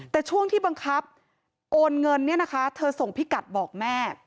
แต่ช่วงที่บังคับโอนเงินเนี่ยนะคะเธอส่งพิกัดบอกแม่